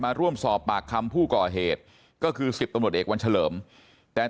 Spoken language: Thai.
มาร่วมสอบปากคำผู้ก่อเหตุก็คือสิบตำรวจเอกวันเฉลิมแต่